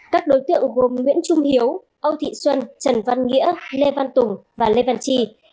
các đối tượng gồm nguyễn trung hiếu âu thị xuân trần văn nghĩa lê văn tùng và lê văn tri